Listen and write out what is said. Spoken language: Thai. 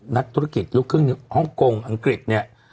นักธุรกิจลูกครึ่งฮ่องกงอังกฤษเนี่ย